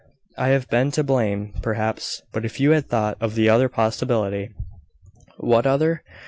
I have been to blame, perhaps; but if you had thought of the other possibility " "What other?